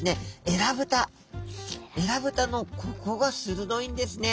えらぶたのここがするどいんですね。